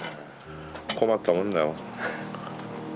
困ったもんだ。